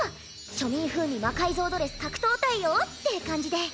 庶民風味魔改造ドレス格闘対応って感じで。